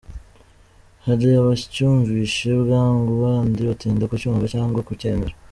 Hari abacyumvise bwangu, abandi batinda kucyumva, cyangwa kucyemera.